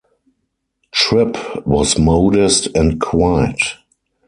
Tripp was modest and quiet.